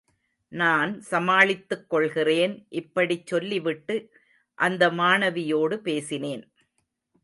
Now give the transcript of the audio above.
நான் சமாளித்துக் கொள்கிறேன், இப்படிச் சொல்லிவிட்டு அந்த மாணவியோடு பேசினேன்.